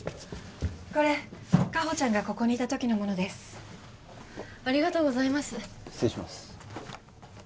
これ果歩ちゃんがここにいたときのものですありがとうございます失礼します